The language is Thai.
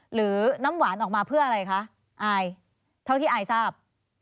หรือน้ำหวานออกมาเพื่ออะไรคะอายเท่าที่อายทราบ